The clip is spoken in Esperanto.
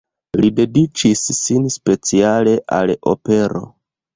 Li dediĉis sin speciale al opero.